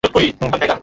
তাকে বিশ্বাস করো না!